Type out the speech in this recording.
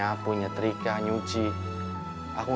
ampun ampun ampun